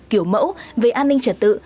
kiểu mẫu về an ninh trật tự